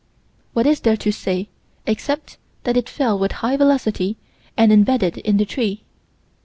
What is there to say, except that it fell with high velocity and embedded in the tree?